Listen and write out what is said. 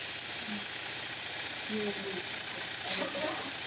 Dobrého umístění se dočkala píseň i v několika evropských zemích a Austrálii.